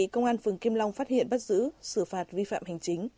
công an phường kim long phát hiện bắt giữ xử phạt vi phạm hành chính